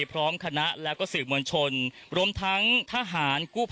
ผมจะได้ฟังให้ทุกคน